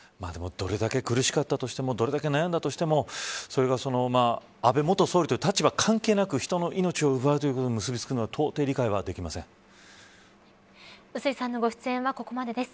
どれだけ苦しかったとしてもどれだけ悩んだとしてもそれが安倍元総理という立場に関係なく人の命を奪うことに結び付くのは碓井さんのご出演は、ここまでです。